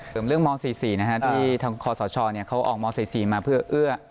เรื่องม๔๔ที่ทางคศเขาออกม๔๔มาเพื่อเอื้อ